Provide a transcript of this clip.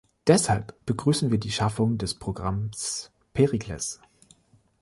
Deshalb begrüßen wir die Schaffung des Programms "Pericles".